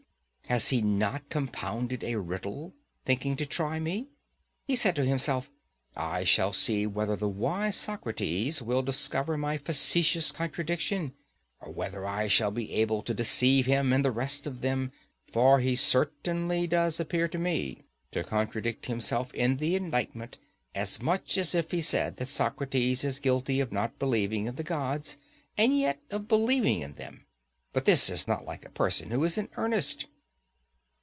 Has he not compounded a riddle, thinking to try me? He said to himself:—I shall see whether the wise Socrates will discover my facetious contradiction, or whether I shall be able to deceive him and the rest of them. For he certainly does appear to me to contradict himself in the indictment as much as if he said that Socrates is guilty of not believing in the gods, and yet of believing in them—but this is not like a person who is in earnest.